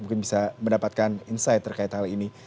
mungkin bisa mendapatkan insight terkait hal ini